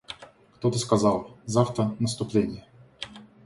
Кто-то сказал: — Завтра наступление.